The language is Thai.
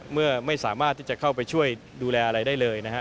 เมื่อไม่สามารถที่จะเข้าไปช่วยดูแลอะไรได้เลยนะฮะ